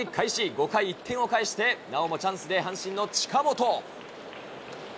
５回、１点を返してなおもチャンスで阪神の近本。